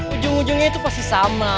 ujung ujungnya itu pasti sama